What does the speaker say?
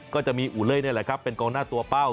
ก็จะมีอูเล่นี่แหละครับเป็นกองหน้าตัวเป้า